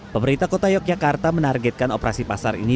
pemerintah kota yogyakarta menargetkan operasi pasar ini